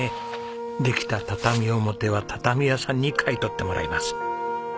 できた畳表は畳屋さんに買い取ってもらいます。